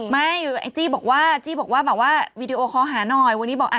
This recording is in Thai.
ไม่ไอ้จี้บอกว่าจี้บอกว่าแบบว่าวีดีโอคอลหาหน่อยวันนี้บอกอ่ะ